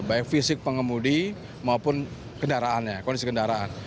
baik fisik pengemudi maupun kendaraannya kondisi kendaraan